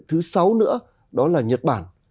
thứ sáu nữa đó là nhật bản